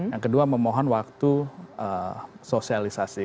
yang kedua memohon waktu sosialisasi